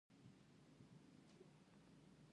زده کړه نجونو ته د اوریدلو حوصله ورکوي.